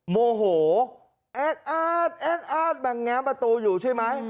โมโหแอดแอดอาร์ดแบ่งแง้มประตูอยู่ใช่ไหม